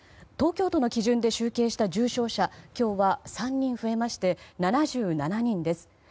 東京都の基準で集計した重症者は今日は３人増えまして７７人です。